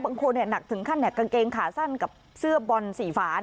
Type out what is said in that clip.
บางคนหนักถึงขั้นกางเกงขาสั้นกับเสื้อบอลสีฝา